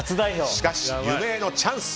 しかし、夢へのチャンス！